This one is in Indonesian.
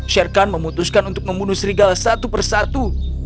sherkan memutuskan untuk membunuh serigal satu persatu